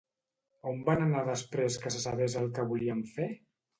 On van anar després que se sabés el que volien fer?